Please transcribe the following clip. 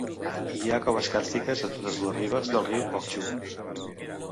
Hi ha coves càrstiques a totes dues ribes del riu Okhchu.